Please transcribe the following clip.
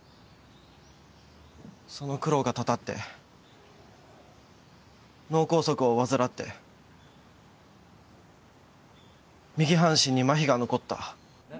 その苦労がたたって脳梗塞を患って右半身にまひが残った。